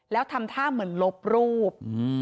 แล้วทำท่าเหมือนลบรูป